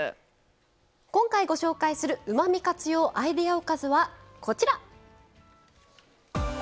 今回、ご紹介する「うまみ活用アイデアおかず」です。